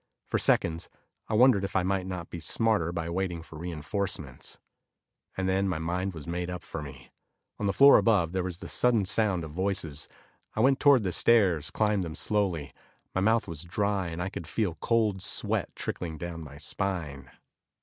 For seconds, I wondered if I might not be smarter by waiting for reinforcements. And then my mind was made up for me. On the floor above there was the sudden sound of voices. I went toward the stairs, climbed them slowly. My mouth was dry, and I could feel cold sweat trickling down my spine.